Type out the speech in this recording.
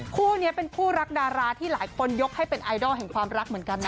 คู่นี้เป็นคู่รักดาราที่หลายคนยกให้เป็นไอดอลแห่งความรักเหมือนกันนะ